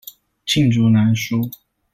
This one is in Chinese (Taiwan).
罄竹難書